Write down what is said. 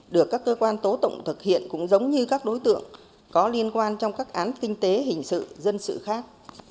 được các cơ quan tố tụng thực hiện cũng giống như các đối tượng có liên quan trong các án kinh tế hình sự dân sự khác